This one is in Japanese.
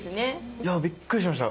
いやびっくりしました。